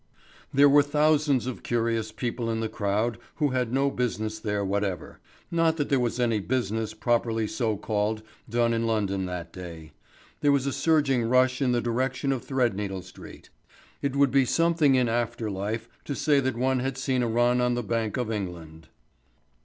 There were thousands of curious people in the crowd who had no business there whatever. Not that there was any business properly so called done in London that day. There was a surging rush in the direction of Threadneedle Street. It would be something in after life to say that one had seen a run on the Bank of England.